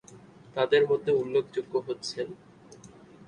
তাদের মধ্যে উল্লেখযোগ্য হচ্ছেন।